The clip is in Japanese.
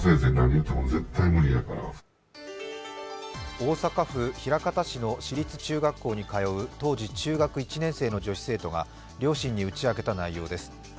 大阪府枚方市の市立中学校に通う当時中学１年生の女子生徒が両親に打ち明けた内容です。